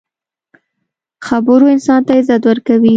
خبرو انسان ته عزت ورکوي.